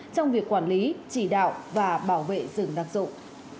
trong việc quản lý chỉ đạo và bảo vệ rừng đặc dụng